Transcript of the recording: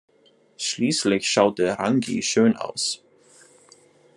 Schließlich schaute Rangi schön aus.